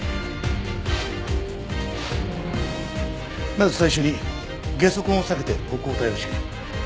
まず最初にゲソ痕を避けて歩行帯を敷く。